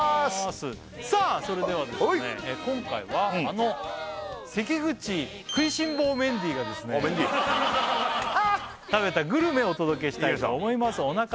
さあそれでは今回はあの関口食いしん坊メンディーがおっメンディー食べたグルメをお届けしたいと思います